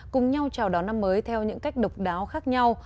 cùng nhau chào đón năm mới theo những cách độc đáo khác nhau